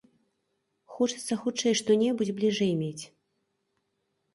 Хочацца хутчэй што-небудзь бліжэй мець.